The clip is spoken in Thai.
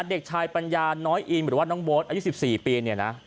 เด็กชายปัญญาน้อยอินหรือว่าน้องโบ๊ทอายุ๑๔ปีเนี่ยนะ